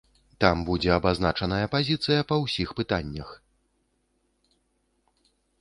Там будзе абазначаная пазіцыя па ўсіх пытаннях.